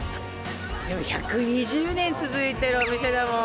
１２０年続いてるお店だもん。